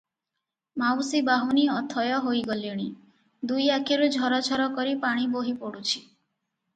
'ମାଉସୀ ବାହୁନି ଅଥୟ ହୋଇ ଗଲେଣି, ଦୁଇ ଆଖିରୁ ଝର ଝର କରି ପାଣି ବୋହି ପଡୁଛି ।